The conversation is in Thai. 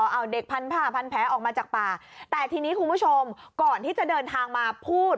เอาเด็กพันผ้าพันแผลออกมาจากป่าแต่ทีนี้คุณผู้ชมก่อนที่จะเดินทางมาพูด